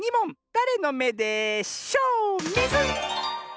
だれのめでショー⁉ミズン！